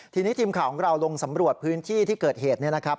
ทีนี้ทีมข่าวของเราลงสำรวจพื้นที่ที่เกิดเหตุเนี่ยนะครับ